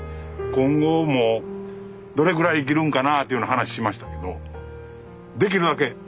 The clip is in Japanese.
今後もどれくらい生きるんかなあっていうような話しましたけどできるだけ